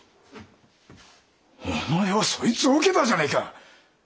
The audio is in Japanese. お前はそいつを受けたじゃねえか！